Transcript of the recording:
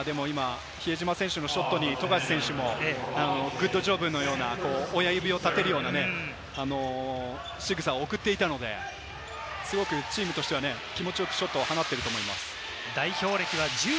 比江島選手のショットに富樫選手もグッドジョブのような、親指を立てるようなしぐさを送っていたので、すごくチームとして気持ちよくショットを放っていると思います。